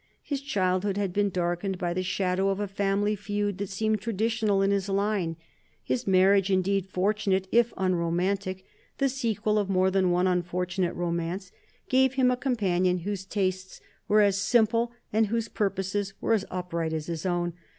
His childhood had been darkened by the shadow of a family feud that seemed traditional in his line. His marriage, indeed, fortunate if unromantic, the sequel of more than one unfortunate romance, gave him a companion whose tastes were as simple, and whose purposes were as upright as his own.